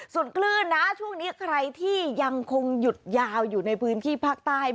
ส่วนคลื่นนะช่วงนี้ใครที่ยังคงหยุดยาวอยู่ในพื้นที่ภาคใต้